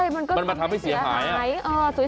มันมาทำให้เสียหาย